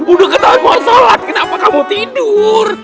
udah ketahuan mau shalat kenapa kamu tidur